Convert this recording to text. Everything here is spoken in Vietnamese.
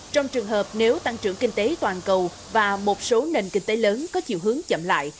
trong trường hợp nếu tăng trưởng kinh tế toàn cầu và một số nền kinh tế lớn có chiều hướng chậm lại